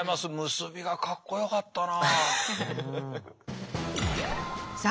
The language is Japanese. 結びがかっこよかったな。